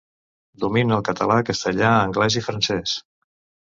Domina el català, castellà, anglès i francès.